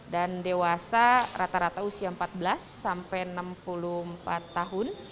dan dewasa rata rata usia empat belas sampai enam puluh empat tahun